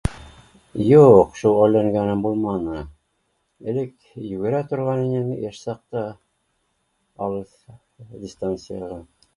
Юҡ шөғөлләнгәнем булманы, элек йүгерә торған инем йәш саҡта алыҫ дистанцияға